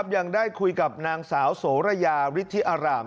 ยังได้คุยกับนางสาวโสระยาฤทธิอาราม